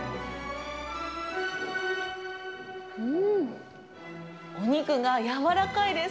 うーん、お肉が柔らかいです。